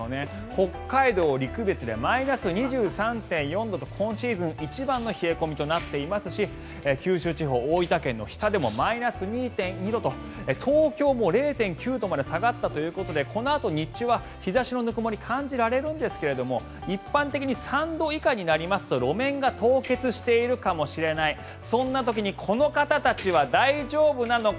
北海道陸別ではマイナス２３．４度と今シーズン一番の冷え込みとなっていますし九州地方、大分県の日田でもマイナス２．２度と東京も０．９度まで下がったということでこのあと日中は日差しのぬくもり感じられるんですが一般的に３度以下になりますと路面が凍結しているかもしれないそんな時にこの方たちは大丈夫なのか。